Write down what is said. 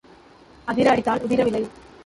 அதிர அடித்தால் உதிர விளையும்.